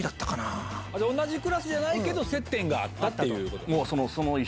同じクラスじゃないけど接点があったっていうこと？